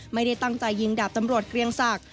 ไม่ได้ตั้งใจยิงดาบตำรวจเกรียงศักดิ์